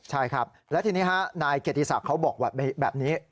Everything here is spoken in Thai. ใช่ครับแล้วทีนี้นายเกียรติศักดิ์เขาบอกแบบนี้